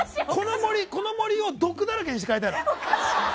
この「森」を毒だらけにして帰りたいんだよ。